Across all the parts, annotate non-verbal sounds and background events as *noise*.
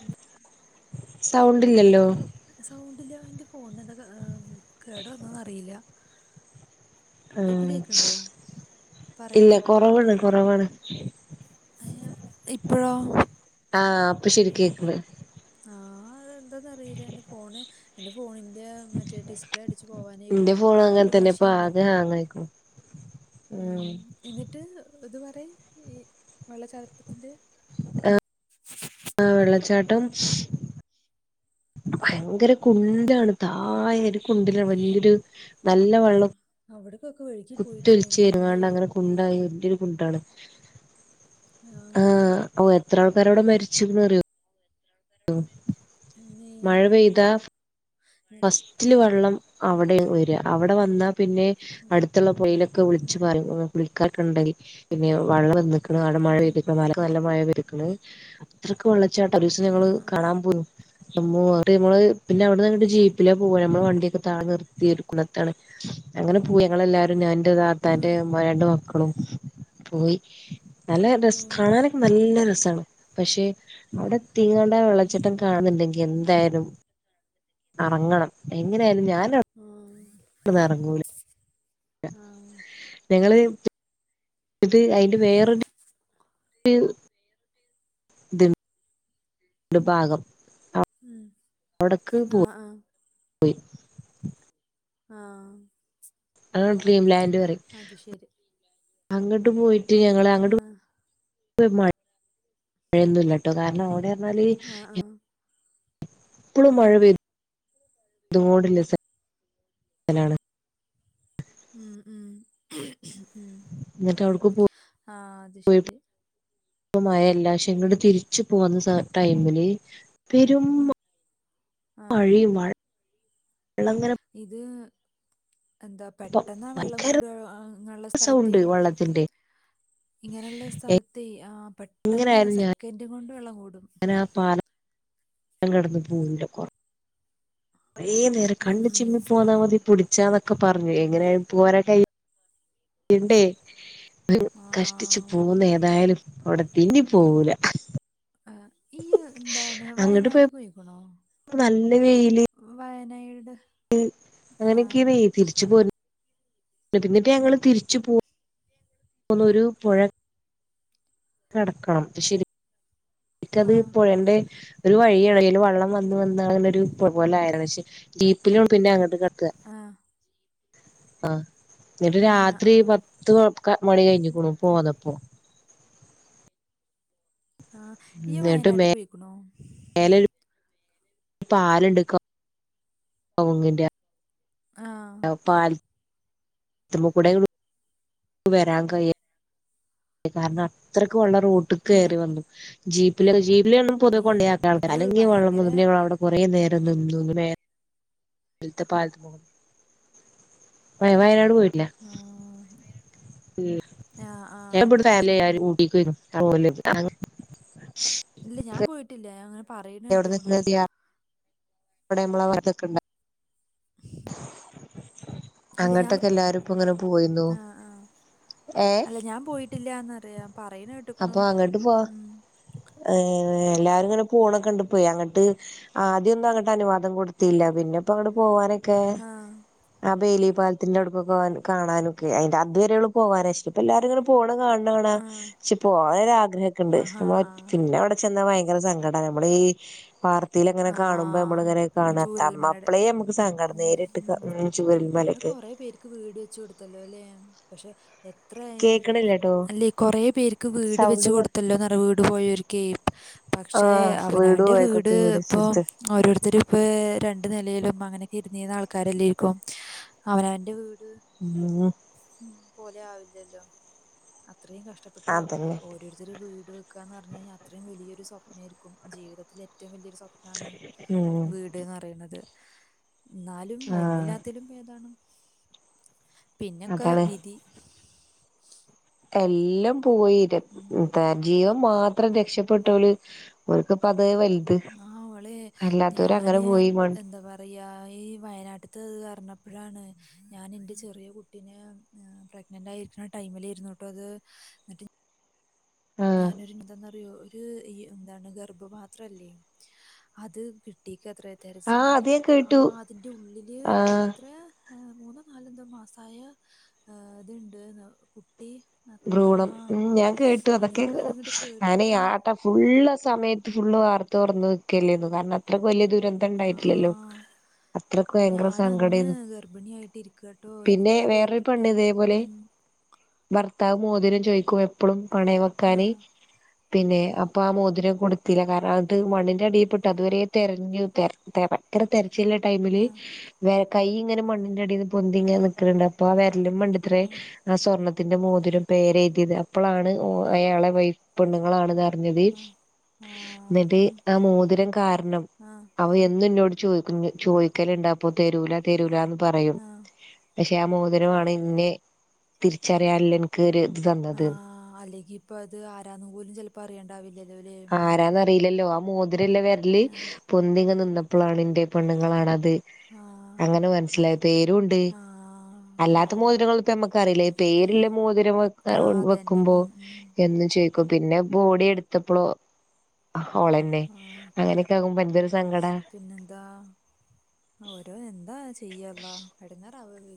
എന്താ സൗണ്ടില്ലല്ലോ. സൗണ്ടില ഇന്റെ ഫോണിന് എന്താ കേട് വന്നോ അറിയില്ല. ഇപ്പൊ ആഹ് കേക്ണ്ടോ പറയ്. ഇല്ല കൊറവാണ് കൊറവാണ്. അയ്യാ ഇപ്പഴോ. ആഹ് ഇപ്പൊ ശരികേക്ണ്ട്. ആഹ് അതെന്താന്നറിയില എന്റെ ഫോണ്. എന്റെ ഫോണിന്റെ മറ്റേ ഡിസ്പ്ലേ അടച്ച് പോകാനായികുണയ് ഒരു മഷീണ്ട്. അത് ഹാങ്ങ് ആയിക്ണു. ഉം എന്നിട്ട് ഇതു പറെ ഈ വെള്ളചാട്ടത്തിന്റെ. ആഹ വെള്ളച്ചാട്ടം. ഭയങ്കര കുണ്ടിലാണ് താഴെ ഒരു കുണ്ടിലാണ് വല്യൊരു നല്ല വെള്ളം. അവിട്ക്കൊക്കെ വഴി. കുത്തിഒലിച്ച് വന്ന്ങ്ങാണ്ട് അങ്ങനെ കുണ്ടായി വല്യരു. കുണ്ടാണ് ആ ആഹ ഓ എത്ര ആൾക്കാരവിടെ മരിച്ക്ക്ണ് അറിയോ. മ്മ് അമ്മേ മഴ ആ പെയ്താ. ഫസ്റ്റില് വെള്ളം അവിടെണ് വര അവിടെ വന്നാ പിന്നെ. അടുത്തുള്ള പുഴയിലൊക്കെ പിന്നെ വിളിച്ചു പറിം കുളിക്കാർക്കണ്ടെങ്കിൽ തുടങ്ങിയാണ് പിന്നെ വള്ളം വന്ന്. നല്ല മഴ വെള്ളം മലക്ക് നല്ല മഴ പെയ്ത്ക്ണ്. ഇത്രക് വെള്ളച്ചാട്ടം ഒരീസം ഞങ്ങള് വന്ന് എന്നിട്ട് കാണാൻ പോന്നു ന്റമ്മോ ന്ന്ട്ട് നമ്മള് പിന്നെ അവിടെന്നങ്ങിട്ട് ജീപ്പ്. പോ നമ്മള വണ്ടിയൊക്കെ താഴെ നിർത്തി ഒരു കുളത്താണ്. പോയി ഞങ്ങളെല്ലാരും ഞാൻ ന്റെ താത്തന്റെ മ്മ രണ്ട് മക്കളും. പോയി വന്നു നല്ല ആഹ് രസ ആഹ് കാണാനൊക്കെ നല്ല രസാണ് പക്ഷെ. ഉം അവടെത്തീങ്ങാണ്ട വെള്ളച്ചാട്ടം കാൺണ്ടെങ്കി എന്തായാലും. അറങ്ങണം എങ്ങനെയാലും ഞാനവി ആഹ്. പ്പന്നർങ്ങൂല. ആഹ് ഞങ്ങള് ഇത് അയ്ന്റെ വേറൊര് ത്. ഒരു ഭാഗം. ഉം അവിടക്ക് ആ ആ പോയി ആഹ് അത് ഡ്രീം ലാൻഡ് പറിം അത് ശരി അങ്ങട്ട് പോയിട്ട് ഞങ്ങള് ആഹ് അങ്ങട്ട്. മഴന്നുല്ലട്ടോ കാരണം ഓന് പർഞ്ഞാല്. ആഹ് ആഹ് എപ്പളും മഴ ഉം പെയ്തു കൊണ്ട്ല്ല സ്ഥലാണ്. ഉം ഉം ഉം ന്നട്ടവ്ട്ക്കും പോ ആ അത് ശരി. പ്പൊ മഴല്ല പക്ഷെ ങ്ങട്ട് തിരിച്ചു പോന്ന സ ടൈമില് പെരും മ ആഹ് മയിം വ ള്ളങ്ങനെ ഇത് എന്താ പെട്ടെന്നാ വള്ളം ഭയങ്കര കൂടാ അങ്ങളെ സ്ഥലത്തെ സൗണ്ട് വെള്ളത്തിന്റെ ഇങ്ങനെള്ള സ്ഥൽത്തെ ആ പെട്ടെന്ന് സെക്കൻഡ് കൊണ്ട് വെള്ളം കൂടും അങ്ങനെ ആ പാല *unintelligible* കെട്ന്ന് പൂണ്ട് കോ കൊറേ നേരം ഉം കണ്ണ് ഉം ചിമ്മി ആ പോന്നാ മതി പുട്ച്ചാന്നൊക്കെ പർഞ്ഞ് എങ്ങനെ ആയാലും പോരാൻ കയ്യ ണ്ടേ ആ കഷ്ടിച് പോന്ന് ഏതായാലും *unintelligible* ത്തിന്നി പോവൂല ആഹ് ഇയ്യ് ന്താണ് അങ്ങട്ട് വയനാട്ട്ക്ക്‌ പോയപ്പോ പോയ്‌ക്ക്ണോ നല്ല വയനയിട് അങ്ങനെക്കെന്നേ തിരിച് പോ പിന്നെപ്പം ഞങ്ങള് തിര്ച് പൊ ന്നോരു പുഴ കടക്കണം ആ ശരിക്കത് പുഴന്റെ ഒരു വഴിയാണ് അയില് വള്ളം വന്ന് വന്ന് അങ്ങനൊരു പുഴ പോലെ ആയതാ പക്ഷെ ജീപ്പിലും പിന്നെ അങ്ങട്ട് ക ത്ത ആ ആഹ് ന്നിട്ട് ആ ആ രാത്രി പ ത്ത് ക മണി കഴിഞ്ഞിക്ക്ണു പോന്നപ്പൊ ആഹ് ഇയ്യ് വയനാട്ട്ക്ക്‌ പോയിക്ക്ണോ ഏലൊരു പാല്ണ്ട് കോ കൗങ്ങ്ന്റെ ആം പാൽ ത്ത്മ്മുക്കൂടെ വരാൻ കയ്യ കാരണം അത്രക്ക് വള്ള ആ റോട്ട്ക്കെറി വന്നു ജീപ്പ്ല് ജീപ്പ്ല് പൊത് ഏ കൊണ്ടേയാക്കാ അത് അല്ലെങ്കി വള്ളം ഭയങ്കര *unintelligible* കുറേ നേരം നിന്നു ൽത്തെ പാൽത്ത്മേക്കൂ വേ വയനാട് പോയിട്ടില്ല ആഹ് മ് ഞാൻ അത് ശരി *unintelligible* ഊട്ടിക്ക് പോയിക്ക്ണ് ഓല് ഇല്ല ഞാൻ പോയിട്ടില്ല ഞാൻ ഇങ്ങനെ പറയ്ണേ കേട്ട്ക്ക്ണു ഇവിടെ ഞമ്മളെ *unintelligible* *unintelligible* ഇല്ല ഞാൻ അങ്ങട്ടൊക്കെ എല്ലാരും ഇപ്പോ ഇങ്ങനെ പോയിന്നു ആ ആ ഏഹ് അല്ല ഞാൻ പോയിട്ടില്ലന്ന് പറിയാ പറയ്ണ കേട്ട്ക്ക്ണു ഉം ഏഹ് എല്ലാരും ഇങ്ങനെ പോണൊക്കെണ്ട് ഇപ്പെ അങ്ങട്ട് ആ ആദ്യോന്നും അങ്ങട്ട് അനുവാദം കൊടുത്തില്ല പിന്നെ പ്പം അങ്ങട്ട് പോവാനൊക്കെ ആ ആ ബേലി പാലത്തിന്റെ അടുക്കൊക്കേ കാണാനൊക്കെ അയിന്റെ അതുവരെ ഒള്ളു പോവാൻ പക്ഷെ ഇപ്പ എല്ലാരും ഇങ്ങനെ പോണേ കാണ് ണേ കാണാ ആ പക്ഷെ പോവാൻ ഒര് ആഗ്രഹൊക്കെ ഇണ്ട് ആഹാ ആ പിന്നെ അവ്ടെ ചെന്ന ഭയങ്കര സങ്കടാ നമ്മളീ ഈ വാർ കത്തിൽ ഇങ്ങനെ ആ കാണുമ്പം ഞമ്മൾ ഇങ്ങനെ കാണാ അത്ത ചൂരൽമലയുടെ അപ്പളേെ ഞമ്മക്ക് സങ്കടം ഉം നേരിട്ട് ചൂരൽ മലക്ക് ക്ക് വീട് വെച്ച് കൊടുത്തല്ലോ ല്ലേ പക്ഷെ എത്ര ആയാല് കേക്കണില്ലട്ടോ അല്ലെ കൊറേ പേർക്ക് വീട് വെച്ച് സൗണ്ട് കൊറ കൊടുത്തല്ലോ നിറ വീട് പോയൊർക്കേ ആ പക്ഷെ അവനവന്റെ വീട് ഇപ്പൊ ഓരോരുത്തർ ഇപ്പേ രണ്ട് നിലയിലും അങ്ങനെ ഒകെ ഇർന്നീന്ന ആൾക്കാരല്ലേരിക്കും അവനവന്റെ വീട് ഉം മ് പോലെ ആവില്ലല്ലോ അത്രയും കഷ്ടപ്പെട്ടു അതന്നെ ഓരോരുത്തരു വീട് കാ ന്ന് പറഞ്ഞ് കഴിഞ്ഞാ അത്രയും വലിയൊരു സ്വപ്നമായിരിക്കും ജീവിതത്തിൽ ഏറ്റവും വലിയൊരു സ്വപ്നാണ് ഉം വീട് ഇടെന്ന് പറയണത് ന്നാലും ആ ഒന്നില്ലാത്തലും ഭേതാണ് പിന്നൊക്കെ അതാണ് വിധി എല്ലം പോയീരെ ഉം *unintelligible* അത്ര രക്ഷപ്പെട്ടോളെ ഓർക്കിപ്പതെ വൽ നാഹ് അവളെ ഞാനെ പോയി മൺ എന്താ പറ- ഇപ്പ യായി വയനാട്ടിത്തെ അറിഞ്ഞപ്പഴാണ് ഞാനെന്റെ ചെറിയ കുട്ടീനെ ഏഹ് പ്രഗ്നന്റായിരിക്കുന്ന ടൈമിലായിരുന്നു കേട്ടോ അത് എന്നിട്ട് ആ ഞാനൊരു എന്തെന്നറിയോ ഒരു ഈഹ് എന്താണ് ഗർഭപാത്രല്ലേ അത് കിട്ടി കുട്ടീക്കത്ര ആ അത് തെരച്ചിലിനിടീല് ഞാൻ കേട്ടു ആഹ് അതിന്റെ ഉള്ളില് ആ എത്രയാ ഏഹ് മൂന്നോ നാലെന്തോ മാസായ ഇതിണ്ടേന്ന് കുട്ടി ന- ആ ഭ്രൂണം ഉം ഞാൻ കേട്ടു അതൊക്കെ എനിക്ക് അതിങ്ങോട്ട് ഞാനെ കേട്ടിട്ട് ആഹ് ട്ട ഫുള്ളാ സമയത്ത് ഫുള്ളു വാർത്ത തൊറന്ന് വെക്കലേരുന്നു കാരണം അത്രയ്ക്ക് വലിയ ദൂരന്ത്‌ ആ ത്തിണ്ടായിട്ടില്ലല്ലോ അത്രക്കു ഭയങ്കര ഞാൻ അന്ന് സങ്കടേന്നു ഗർഭിണിയായിട്ട് ഇരിക്കട്ടോ പിന്നെ എനിക്ക് വേറൊരു കേട്ടിട്ട് പെണ്ണിതേപോലെ ഉം ഭർത്താവു മോതിരം ചോയിക്കും എപ്പളും പണയം ആ വെക്കാനെ പിന്നെ അപ്പ ആ മോതിരം കൊടുത്തില്ല കാരണം അത് മണിന്റെടിയിൽപ്പെട്ടു അതുവരെ തെരഞ്ഞു തെര തെ ഭക്കര തെരച്ചിലെ ടൈമില് ആ വെ കൈ ഇങ്ങിനെ മണ്ണിന്റെടീന്ന് പൊന്തി ഇങ്ങനെ നിക്കണുണ്ട് അപ്പ ആ വെരലും മണ്ടിത്രേ ആഹ് ആ സ്വർണ ത്തിന്റെ മോതിരം പേരെഴുതിയത് അപ്പളാണ് ഓഹ് അയാളെ വൈഫ്‌ പെണ്ണുങ്ങളാണെന്നറിഞ്ഞ ഞ്ഞത് ആഹ് ആഹ് ന്നിട്ട് ഉം ആ മോതിരം കാരണം ആഹ് അവ എന്നെന്നോട് ചോദിക്ക കുഞ്ഞെ ചോദിക്കലുണ്ടാപ്പ തെരൂല തെരൂല്ലാന്ന് പറയും ആഹ് പക്ഷെ ആ മോതിമാണ് ഇന്നെ തിരിച്ചറിയാനുള്ള ക്കൊരു ഇതന്ന് ആഹ് അല്ലെങ്കി ഇപ്പ അത ആരാന്നും പോലും ചിലപ്പ അറിയേണ്ടാവില്ലല്ലേ ആരാന്നറിയില്ലല്ലോ ആ മോതിരൊള്ള വെരല് ആ പൊന്തിങ്ങെ നിന്നപ്പളാണെൻ്റെ പെണ്ണുങ്ങളാണത് ആ അങ്ങനെ മനസിലായി പേരും ഉണ്ട് ആ അല്ലാത്ത പാവം മോതിരങ്ങളിപ്പം നമ്മക്കറിയില്ല പേരിള്ള മോതിരം വെ ആ അതന്നെ വെക്കുമ്പോ ഉം ഉം എന്നും ചോയ്ക്കും പിന്നെ ബോഡി എടുത്തപ്പളോ ഹ ഓളന്നെ ആ അങ്ങനെയൊക്കെ ആകുമ്പ എന്തൊരു സങ്കടാ പിന്നെന്താ ഓരോ എന്താ ചെയ്യാ അള്ളാ എടങ്ങേറാവുവേ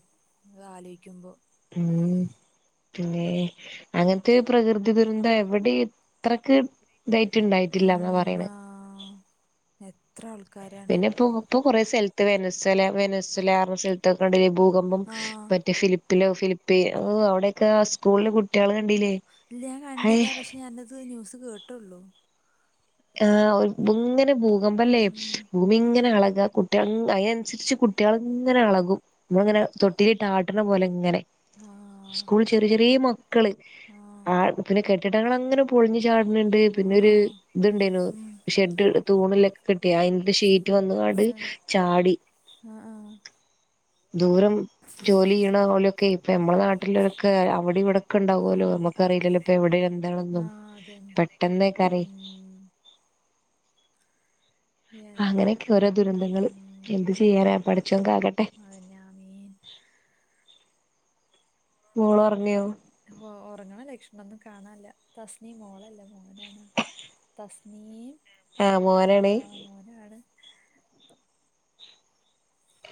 അതാലോയിക്കുമ്പോ ഉം പിന്നേ അങ്ങനത്തെ പ്രകൃതി ദുരന്തം എവിടെ എത്രക്ക് ഇതായിട്ടുണ്ടായിട്ടില്ലാന്നാ പറയണെ എത്രാൾക്കാരാണ് പിന്നെ ഇപ്പൊ ഇപ്പൊ കുറേ സ്ഥലത്ത് വെരനാച്ചാലെ ല വെനസലറ സ്ഥലത്തോക്കണ്ട ഭൂകമ്പം ആഹ് മറ്റേ ഫിലിപ്പ് ഫിലോ ഫിലിപ്പിയെ ഓഹ് അവിടൊക്കെ സ്കൂളിലെ കുട്ടികളെ കണ്ടീല്ലേ ഇല്ല ഞാൻ കണ്ടില്ല പക്ഷെ ഞാനത് ന്യൂസ് കേട്ടുള്ളൂ ആഹ് ഇങ്ങനെ ഭൂകമ്പല്ലേ ഉം ന്നിങ്ങനളക കുട്ടിക അതിനനുസരിച്ച് കുട്ടികൾ ഇങ്ങനെ എളകും ന്നിങ്ങനെ തൊട്ടി ഇട്ടാട്ടണ പോലെ ഇങ്ങനെ ആഹ് സ്കൂൾ ചെറിയ ചെറിയ മക്കള് ആഹ് ഹ് പിന്നെ കെട്ടിടങ്ങളങ്ങനെ പൊളിഞ്ഞു ചാടുന്നുണ്ട് ആഹ് പിന്നൊരു ആഹ് ഇതുണ്ടാനു ഉം ഷെഡ് തൂണിലൊക്കെ കെട്ടിയ അയിന്റെ ഷീറ്റ് വന്നാട് ഏഹ് ചാടി ആഹ് ആഹ് ദൂരം ജോലി ചെയ്യണ പോലൊക്കെ ഇപ്പ അമ്മടെ നാട്ടിലൊരൊക്കെ അവിടിവിടൊക്കൊണ്ടാവല്ലോ ആഹ് നമുക്ക് ക്കറിയില്ലല്ലോ ഇപ്പ എവിടെന്താണന്നും അതന്നെ പെട്ടെന്നേ കറി ഉം എന്ത് അങ്ങനെയൊക്കെ ഓരോ ദുരന്തങ്ങള് ഉം എന്ത് ചെയ്യാനാ പടച്ചൊൻ കാക്കട്ടെ അന്നെ ആമീൻ മോള ഉറങ്ങിയോ ഉറങ്ങണ ലക്ഷ്മൊന്നും കാണല്ല തസ്ണി മോളല്ല മോനെയാണ് തസ്നിം ആഹ് മോനാണ് മോന ആണ്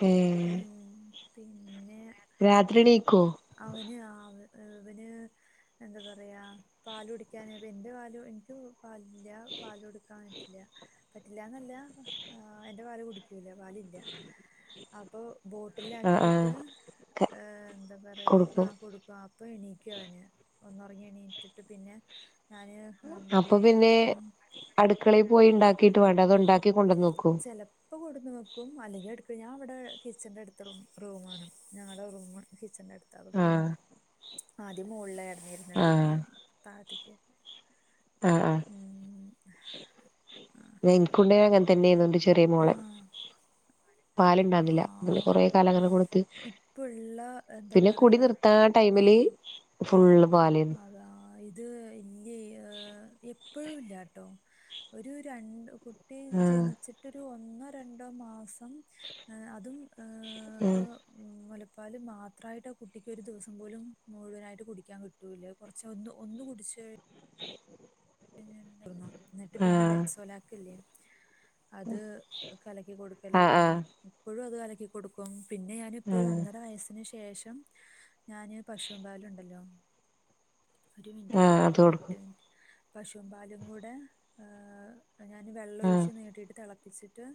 ഏഹ് ഉം പിന്നെ രാത്രി എണീക്കു വോ അവന് ആ അവന് എന്താ പറയാ പാല കുടിക്കൻ എന്റെ പാല എനിക്ക് പാലില്ല പാലൊടുക്കാൻ പറ്റില്ല പറ്റില്ലന്നല്ല ആ എന്റെ പാല് കുടിക്കൂല പാല് ഇില്ല അപ്പൊ ബോട്ടില ആഹ് ആക്കിട്ട് ആഹ് എന്താ പറയാ ആ കൊടുക്കും കൊടുക്കുക ഇപ്പൊ എണീക്കുവ അവന് ഒന്നറങ്ങി എണീറ്റിട്ട് പിന്നെ ഞാന് ഉം അപ്പൊ പിന്നെ ഉം, അടുക്കളയിൽ പോയി ഉണ്ടാക്കീട്ട് വേണ്ട അത് ഉണ്ടാക്കി കൊണ്ടുവന്ന് നോക്കൂ ഇപ്പ കൊടുന്ന് വോക്കും അല്ലെങ്കിൽ എടുക്ക ഞാ ഇവിടെ കിച്ചണറെ അടുത്ത് റൂ റൂണ് ഞങ്ങളുടെ റൂം കിച്ചന്റെ അടുത്ത് അ പിന്നെ ആഹ് ആദ്യ മുകളുകളിൽ ഇടന്നിരുന്ന ആഹ് പിന്നാണ് തായതിക്ക് ആഹ് ആഹ് ഉം എനിക്കണ്ട അങ്ങനെ തന്നെ ആതണ്ട് ചെറിയ മോളെ ആഹ് പാലുണ്ടാവുന്നില്ല അ ആഹ് കൊറെേ കാലങ്ങനെ കൊടുത്ത് ഇപ്പള്ള എന്താ പിന്നെ കുടി പറയാ നിർത്താ ആ ടൈമില് ആഹ് ഫുള് പാലി അതാ ഇ ഇത് ഇല്ലേ എപ്പോഴുംഇല്ലട്ടോ ഒരു രണ്ട് കുട്ടി ആഹ് ജനിച്ചിട്ടൊരു ഒന്നോ രണ്ടോ മാസം അതും ഇപ്പൊ ഉ മുലപ്പാൽ മാത്രമായിട്ട് ആ കുട്ടി ഒരു ദിവസം പോലും മുഴുവനായിട്ട് കുടിക്കാൻ കിട്ടു കുറച്ച ഒന്ന് ഒന്ന് കുടിച്ച് *inaudible* *unintelligible* ഇന്ന്ട്ട് പിന്നെ, ആഹ് ഡെക്സോ ലാക്ക്ല്ലേ അത് കലക്കി ആഹ് കൊടുക്കലേയിരുന്നു. ഇപ്പഴു അത് കലക്കി കൊടുക്കും. പിന്നെ ആഹ് ഞാനിപ്പൊര് ആഹ് ഒന്നര വയസ്സിന് ശേഷം ഞാന് പശുവിൻ പാല്ണ്ടല്ലോ ഒരു മിനിറ്റ്ട്ടോ ആഹ് ആ അത് കൊടുക്കും എട്ട് മിൻറ്റ് പശുവും പാലും കൂടെ, ഏഹ് ഞാന് ആഹ് വെള്ളൊഴിച്ച് നീട്ടിയിട്ട് തെളപ്പിച്ചിട്ട്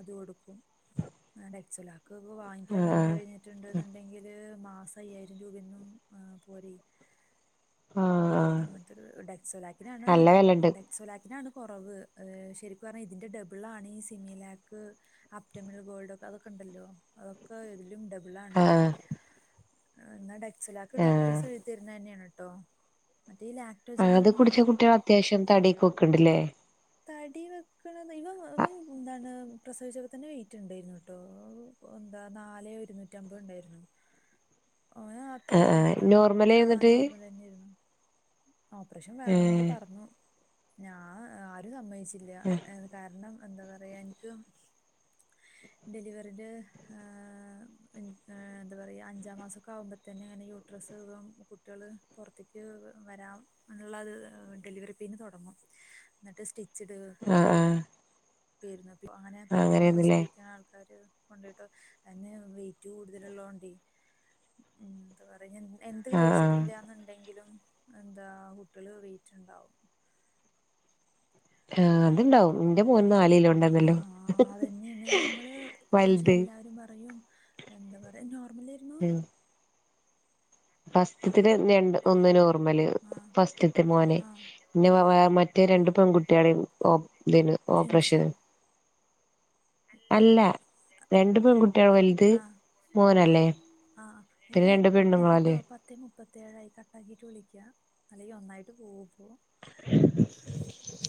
അത് കൊടുക്കും. ആഹ് ഡെക്സോലാക്ക് ഇപ്പ വാങ്ങിക്കാൻ ആഹ് നിന്ന് ആഹ് കഴിഞ്ഞാ ട്ട്ണ്ട് ന്ന്ണ്ടെങ്കില് മാസയ്യായിരം രൂപ്യെന്നും പോരേയ്. ആഹ് ആഹ് അങ്ങൻത്തൊരു ഡെക്സോലാക്കിനാണ് നല്ല വെലണ്ട് ഡെക് സോലാക്കിനാണ് കൊറവ്. ഏ ശരിക്കും പറഞ്ഞാ ഇതിന്റെ ഡബിളാണ് ഈ സിമീ ലാക്ക് അപ്റ്റൊമൽ ഗോൾഡൊക്കെ അതൊക്കെണ്ടല്ലോ, അതൊക്കെ ഇതിലും ഡബ് ബ്ളാണ്. ആഹ് ഇന്നാ ഡെക്സോലാക്ക് ആഹ് ഡോക്ടേഴ്സ് എഴുതിത്തരുന്നെന്ന്യാണ് ട്ടൊ. തന്നെയാണ് കേട്ടോ അതീലാക് ആഹ് അത് കുടിച്ച കുട്ട്യാളത്യാവശ്യം തട്യൊക്കെ വെക്ക്ണ്ട്ലേ? തടി വെക്ക്ണ്, ഇവൻ ഇവൻ ന്താണ് പ്രസവിച്ചപ്പോ തന്നെ വെയ്റ്റ്ണ്ടായിര്ന്നുട്ടോ. ന്താ നാലേ ഒരുന്നൂറ്റമ്പത് ഇണ്ടായിര്ന്നു. ആഹ് ഓനത്യാവശ്യം ആഹ് വലിപ്പണ്ട് ആഹ് നോർമലേന്നിട്ട് നോർമലന്നേയ്രുന്നു. ഓപ്പ്റഷം വേണംന്നൊക്കെ ഏഹ് പറഞ്ഞു. ഞാ ആരും സമ്മയ്ച്ചില്ല. എ കാര്ണം, എന്താ പറയാ ഇൻക്ക് ഡെലിവറിട് ഏഹ് ഏഹ് എന്താ പറയാ അഞ്ചാം മാസൊക്കെ ആകുമ്പ തന്നെ അങ്ങനെ യൂട്രസ്സ് കുട്ട്യള് പൊർത്ത്ക്ക് വരാം ള്ളത് ഡെലിവെറി പെയ്ന് തൊടങ്ങും ന്ന്ട്ട് സ്റ്റി അ ആഹ് അങ്ങനെ പെട്ടെന്ന് അങ്ങനെയാന്നില്ലേ പ്രസവിക്ക്ണ ആൾക്കാര് ട്ടോ, എന്നെ വെയ്റ്റ് കൂടുതല്ള്ളോണ്ടെ ഉം എന്താ പറ്യ, ഞാൻ എന്ത് ആഹ് ആഹ് കഴിച്ചിട്ടില്ലാന്ന്ണ്ടെങ്കിലും എന്താ കുട്ടികള് വെയ്റ്റുണ്ടാകും ആഹ് അത്ണ്ടാവും ഇന്റെ മോൻ നാല് കിലോ *inaudible* ഉണ്ടായിരുന്നല്ലോ ആഹ് അതെന്ന്യാണ് ഞമ്മള് പക്ഷെ വലുത് എല്ലാരും പറയും എന്താ പറയ നോർമലി ഉം ഫസ്റ്റ്ത്തെ ര രണ്ട് ഒന്ന് നോർമല്, ആ ഫസ്റ്റ്ത്തേ മോന് ആ പിന്നെ *unintelligible* മറ്റേ രണ്ട് പെൺകുട്ട്യാളിം ഓപ് *unintelligible* ട്വിൻസോ ഓപ്പ്റേഷന് അല്ല. രണ്ട് പെൺകുട്ട്യാ വൽത് ആ മോനല്ലേ? ആ പിന്നെ എടി രണ്ട് നിക്ക് ട്ടോ പെണ്ണ്ങ്ങളല്ലേ പത്തേ മുപ്പത്തേഴായി, കട്ടാക്കിയിട്ട് വിളിയ്ക്കാ അല്ലെങ്കി ഒന്നായിട്ട് പോവുപ്പോ *inaudible*